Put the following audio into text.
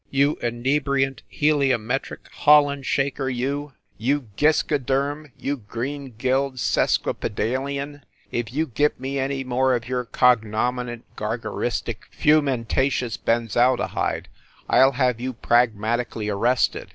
You inebriant heliometric hallan shaker, you; you giscoderm, you green gilled sesquipedalian, if you give me any more of your cognominate gargaristic fumentatious benzaldehyde, I ll have you pragmati cally arrested."